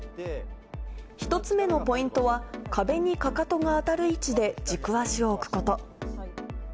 １つ目のポイントは、壁にかかとが当たる位置で軸足を置くこと。